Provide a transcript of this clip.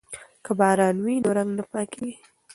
که باران وي نو رنګ نه پاکیږي.